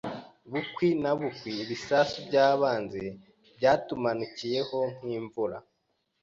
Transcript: Bukwi na bukwi, ibisasu by'abanzi byatumanukiyeho nk'imvura.